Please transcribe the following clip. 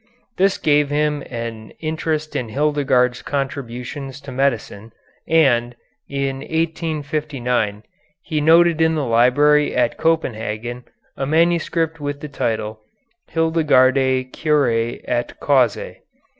This gave him an interest in Hildegarde's contributions to medicine, and, in 1859, he noted in the library at Copenhagen a manuscript with the title "Hildegardi Curæ et Causæ."